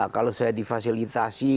kalau saya di fasilitasi